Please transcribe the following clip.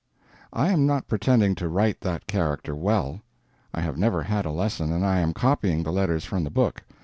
I am not pretending to write that character well. I have never had a lesson, and I am copying the letters from the book.